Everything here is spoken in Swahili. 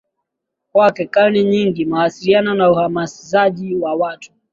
Kwa karne nyingi mawasiliano na uhamasishaji wa watu